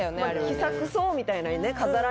気さくそうみたいなね飾ら